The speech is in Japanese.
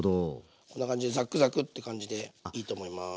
こんな感じでザクザクって感じでいいと思います。